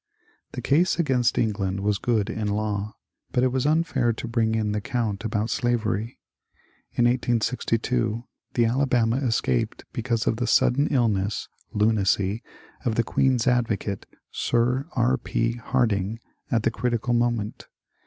The case against England was good in law, but it was unfair to bring in the count about slavery. In 1862 the Alabama escaped because of the sud den illness (lunacy) of the Queen's Advocate, Sir B. P. Hard ing, at the critical moment.